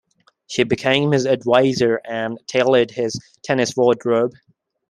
She became his adviser and tailored his tennis wardrobe.